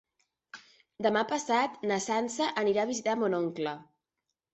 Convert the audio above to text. Demà passat na Sança anirà a visitar mon oncle.